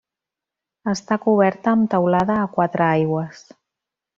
Està coberta amb teulada a quatre aigües.